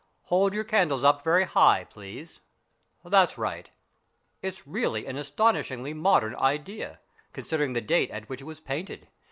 Hold your candles up very high, please. That's right. It's really an astonishingly modern idea, considering the date at which it was painted.